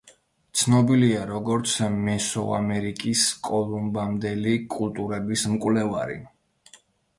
ცნობილია, როგორც მესოამერიკის კოლუმბამდელი კულტურების მკვლევარი.